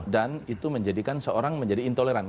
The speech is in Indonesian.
dan itu menjadikan seorang menjadi intoleransi